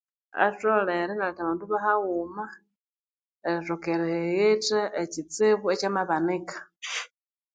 Atholere inaletha abandu bahaghuma nerithoka eri highitha ekitsibu ekya mabanika sssh